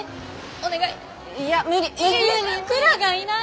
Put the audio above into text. お願い！